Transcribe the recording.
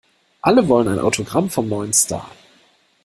Alle wollen ein Autogramm vom neuen Star.